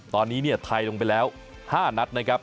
ตอนนี้เนี่ยไทยลงไปแล้ว๕นัดนะครับ